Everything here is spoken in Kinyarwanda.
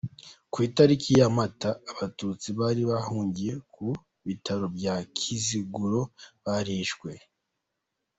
Ku itariki ya Mata : Abatutsi bari bahungiye ku Bitaro bya Kiziguro barishwe.